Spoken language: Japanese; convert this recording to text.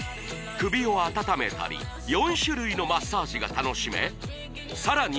首を温めたり４種類のマッサージが楽しめさらに